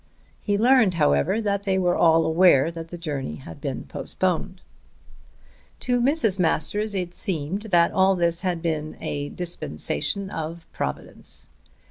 He learned, however, that they were all aware that the journey had been postponed. To Mrs. Masters it seemed that all this had been a dispensation of Providence.